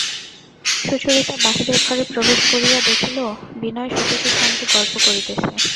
সুচরিতা বাহিরের ঘরে প্রবেশ করিয়া দেখিল, বিনয় সতীশের সঙ্গে গল্প করিতেছে।